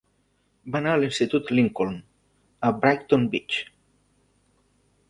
Va anar a l'Institut Lincoln, a Brighton Beach.